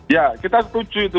ya kita setuju itu